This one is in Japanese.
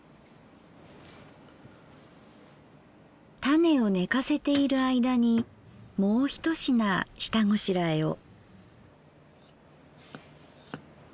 タネをねかせている間にもう一品下ごしらえを。